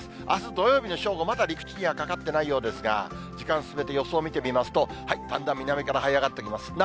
あす土曜日の正午、まだ陸地にはかかってないようですが、時間進めて予想見てみますと、だんだん南からはい上がってきます。